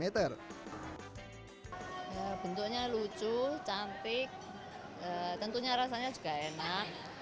bentuknya lucu cantik tentunya rasanya juga enak